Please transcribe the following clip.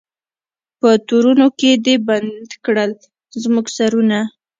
په تورونو کي دي بند کړل زموږ سرونه